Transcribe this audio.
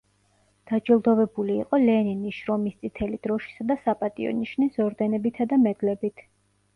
დაჯილდოვებული იყო ლენინის, შრომის წითელი დროშისა და „საპატიო ნიშნის“ ორდენებითა და მედლებით.